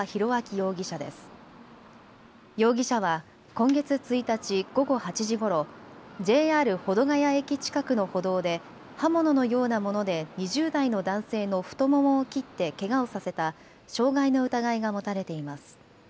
容疑者は今月１日午後８時ごろＪＲ保土ケ谷駅近くの歩道で刃物のようなもので２０代の男性の太ももを切ってけがをさせた傷害の疑いが持たれています。